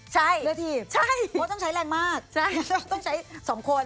ใช่เรือถีบใช่เพราะต้องใช้แรงมากต้องใช้สองคน